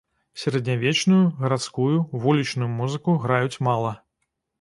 Сярэднявечную, гарадскую, вулічную музыку граюць мала.